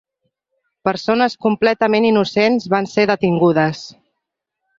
Persones completament innocents van ser detingudes